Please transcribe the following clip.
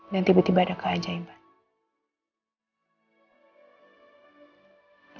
dan tiba tiba ada keajaiban